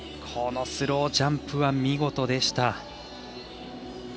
スロージャンプは見事でした。